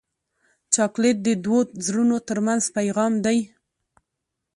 چاکلېټ د دوو زړونو ترمنځ پیغام دی.